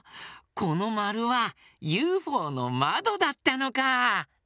このまるはユーフォーのまどだったのか！